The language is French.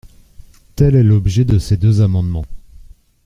Tel est l’objet de ces deux amendements.